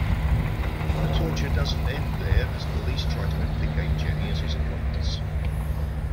The torture doesn't end there, as police try to implicate Jenny as his accomplice.